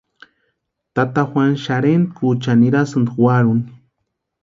Tata Juanu xarhintkweechani nirasïnti warhuni.